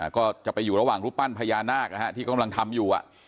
ก็จะไปอยู่ระหว่างรูปปั้นพญานาคที่กำลังทำอยู่